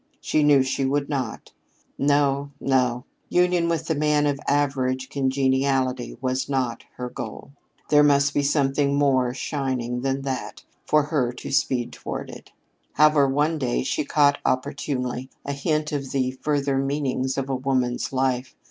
She knew she would not. No, no; union with the man of average congeniality was not her goal. There must be something more shining than that for her to speed toward it. However, one day she caught, opportunely, a hint of the further meanings of a woman's life.